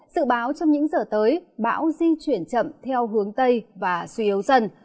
sự báo trong những giờ tới bão di chuyển chậm theo hướng tây và suy yếu dần